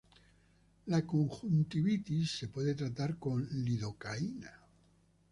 La conjuntivitis se puede tratar con lidocaína.